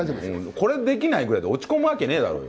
これ、できないぐらいで落ち込むわけねぇだろうよ。